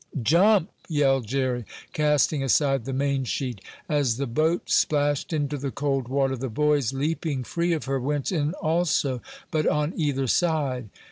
"Jump!" yelled Jerry, casting aside the mainsheet. As the boat splashed into the cold water the boys, leaping free of her, went in also, but on either side.